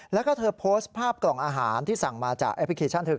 แล้วก็เธอโพสต์ภาพกล่องอาหารที่สั่งมาจากแอปพลิเคชันเธอ